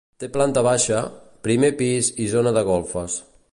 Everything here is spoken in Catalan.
Té planta baixa, primer pis i zona de golfes.